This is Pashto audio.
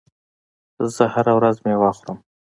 زه هره ورځ میوه خورم.